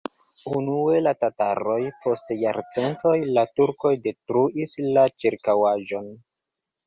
Unue la tataroj, post jarcentoj la turkoj detruis la ĉirkaŭaĵon.